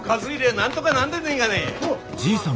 なんとがなんでねえがね？